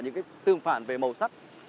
những tương phản về màu sắc